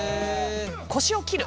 腰を切る。